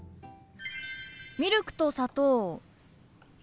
ミルクと砂糖いる？